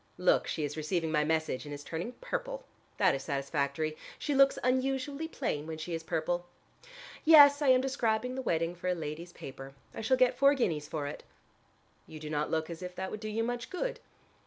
Look, she is receiving my message, and is turning purple. That is satisfactory. She looks unusually plain when she is purple. Yes: I am describing the wedding for a lady's paper. I shall get four guineas for it." "You do not look as if that would do you much good."